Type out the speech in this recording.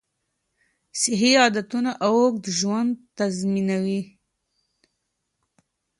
صحي عادتونه اوږد ژوند تضمینوي.